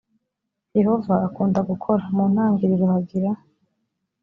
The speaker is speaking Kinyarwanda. yehova akunda gukora mu ntangiriro hagira